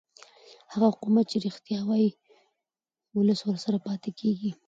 هغه حکومت چې رښتیا وايي ولس ورسره پاتې کېږي